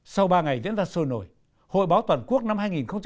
sau ba ngày diễn ra sôi nổi hội báo toàn quốc năm hai nghìn một mươi tám